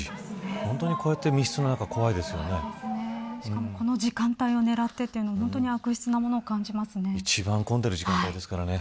本当に、こうやって密室の中この時間帯を狙ってというのは本当に悪質なものを感じますね。